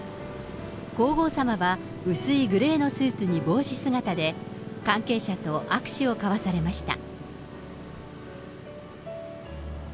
皇后さまは薄いグレーのスーツに帽子姿で、関係者と握手を交わされました。